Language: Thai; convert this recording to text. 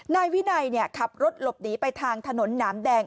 นายวินัยขับรถหลบหนีไปทางถนนหนามแดง